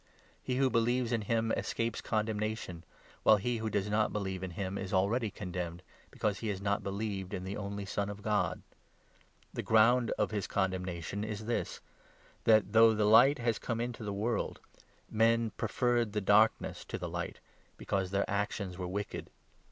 He who believes in him escapes condemnation, 18 while he who does not believe in him is already condemned, because he has not believed in the only Son of God. The 19 ground of his condemnation is this, that though the Light has come into the world, men preferred the darkness to the Light, because their actions were wicked.